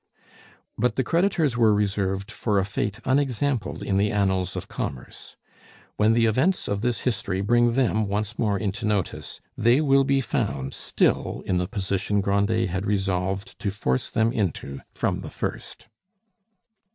But the creditors were reserved for a fate unexampled in the annals of commerce. When the events of this history bring them once more into notice, they will be found still in the position Grandet had resolved to force them into from the first.